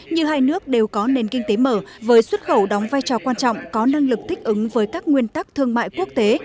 như hai nước đều có nền kinh tế mở với xuất khẩu đóng vai trò quan trọng có năng lực thích ứng với các nguyên tắc thương mại quốc tế